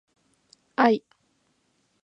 愛